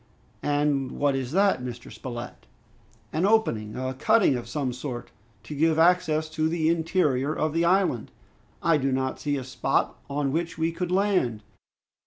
"And what is that, Mr. Spilett?" "An opening, a cutting of some sort, to give access to the interior of the island. I do not see a spot on which we could land."